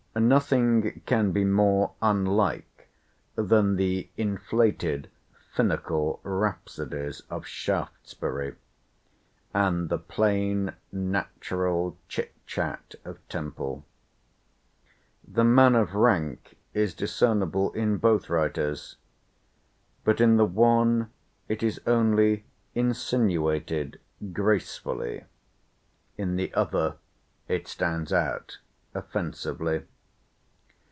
Nothing can be more unlike than the inflated finical rhapsodies of Shaftesbury, and the plain natural chit chat of Temple. The man of rank is discernible in both writers; but in the one it is only insinuated gracefully, in the other it stands out offensively.